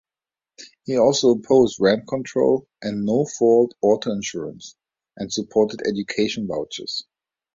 He also opposed rent control and no-fault auto insurance, and supported education vouchers.